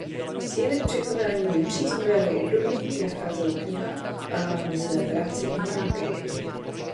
Síly k překonání nepříznivého období nacházel v knihách a ve své práci knihovníka.